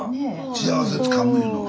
幸せつかむいうの。